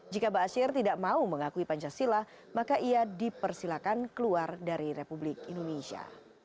jika ba'asyir tidak mau mengakui pancasila maka ia dipersilakan keluar dari republik indonesia